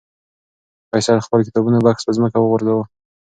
فیصل خپل د کتابونو بکس په ځمکه وغورځاوه.